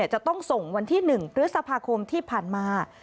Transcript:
จะต้องส่งวันที่๑พฤษภาคมที่ผ่านมา